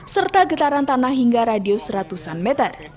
serta getaran tanah hingga radius ratusan meter